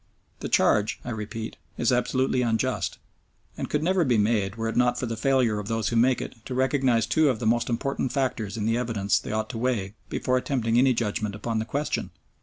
The charge, I repeat, is absolutely unjust, and could never be made were it not for the failure of those who make it to recognise two of the most important factors in the evidence they ought to weigh before attempting any judgment upon the question.